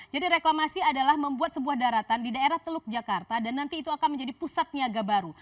jadi reklamasi adalah membuat sebuah daratan di daerah teluk jakarta dan nanti itu akan menjadi pusat niaga baru